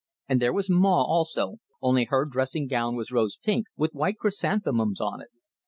And there was Maw, also only her dressing gown was rose pink, with white chrysanthemums on it.